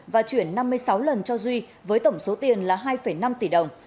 và chuyển năm mươi sáu lần cho duy với tổng số tiền là hai năm tỷ đồng